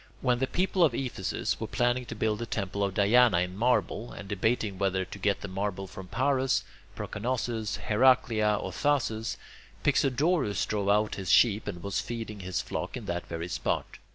When the people of Ephesus were planning to build the temple of Diana in marble, and debating whether to get the marble from Paros, Proconnesus, Heraclea, or Thasos, Pixodorus drove out his sheep and was feeding his flock in that very spot.